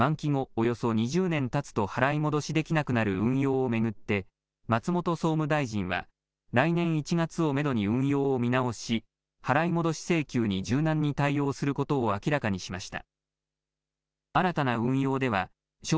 およそ２０年たつと払い戻しできなくなる運用を巡って、松本総務大臣は来年１月をめどに運用を見直し払い戻し請求に柔軟に対応することを明らかにしました。